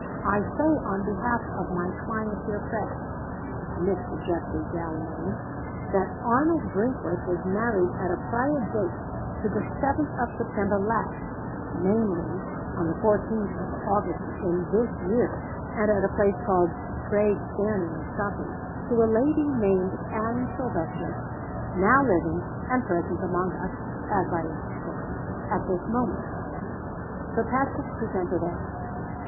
I say, on behalf of my client here present (Mr. Geoffrey Delamayn), that Arnold Brinkworth was married at a date prior to the seventh of September last namely, on the fourteenth of August in this year, and at a place called Craig Fernie, in Scotland to a lady named Anne Silvester, now living, and present among us (as I understand) at this moment." Sir Patrick presented Anne.